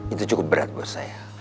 itu cukup berat buat saya